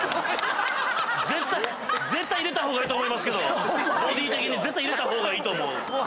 絶対入れた方がいいと思いますけど⁉ボディー的に絶対入れた方がいいと思う。